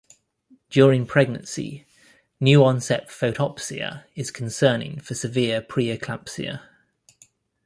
During pregnancy, new-onset photopsia is concerning for severe preeclampsia.